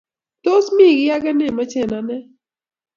Tos, miten kiy age nemache eng ane?